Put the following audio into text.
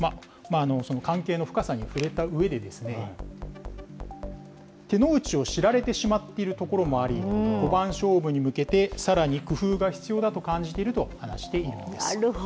関係の深さに触れたうえでですね、手の内を知られてしまっているところもあり、五番勝負に向けてさらに工夫が必要だと感じていると話しているんです。